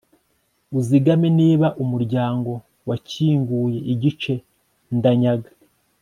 uzigame niba umuryango wakinguye igice, ndanyaga